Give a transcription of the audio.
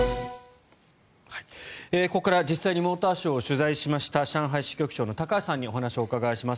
ここから実際にモーターショーを取材しました上海支局長の高橋さんにお話をお伺いします。